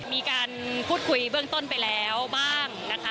มีการพูดคุยเบื้องต้นไปแล้วบ้างนะคะ